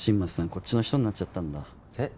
こっちの人になっちゃったんだえっ？